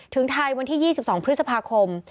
ถึงไทยวันที่๒๒พฤษภาคม